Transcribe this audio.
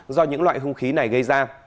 do những loại hung khí này gây ra